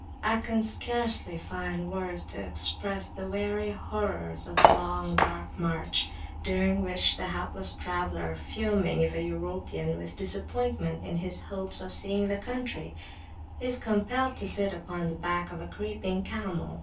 I can scarcely find words to express the weary horrors of the long dark march, during which the hapless traveller, fuming, if a European, with disappointment in his hopes of seeing the country, [p.68] is compelled to sit upon the back of a creeping camel.